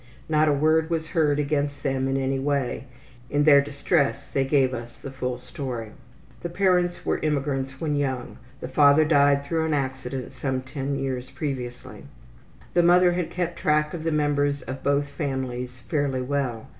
Not a word was heard against them in any way. In their distress they gave us the full story. The parents were immigrants when young. The father died through an accident some ten years previously. The mother has kept track of the members of both families fairly well.